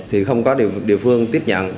thì không có địa phương tiếp nhận